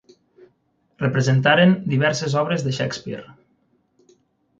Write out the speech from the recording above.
Representaren diverses obres de Shakespeare.